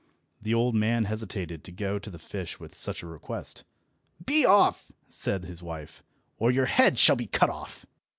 The old man hesitated to go to the fish with such a request. "Be off!" said his wife, "or your head shall be cut off."